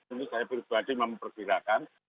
ini saya pribadi memperkirakan